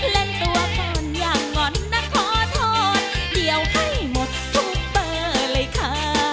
เล่นตัวก่อนอย่างงอนนะขอทรเดี๋ยวให้หมดทุกเบอร์เลยค่ะ